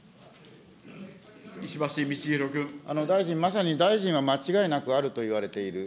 大臣、まさに大臣は間違いなくあると言われている。